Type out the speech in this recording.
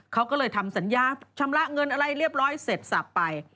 เขาก็เลยทำสัญญาชำระเงินอะไรเรียบร้อยเสร็จสับไป